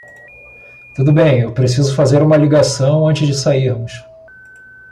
Tudo bem, eu preciso fazer uma ligação antes de sairmos.